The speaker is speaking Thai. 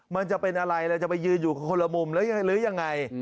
มันจะเป็นอะไรและจะไปยืนอยู่คนละมุมหรือยังไง